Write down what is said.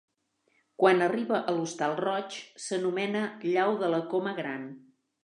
Quan arriba a l'Hostal Roig s'anomena llau de la Coma Gran.